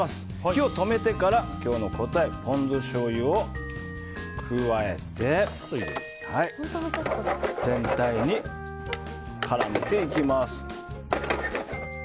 火を止めてから今日の答えポン酢しょうゆを加えて全体に絡めていきます。